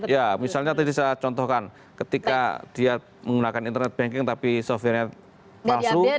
ya misalnya tadi saya contohkan ketika dia menggunakan internet banking tapi software nya palsu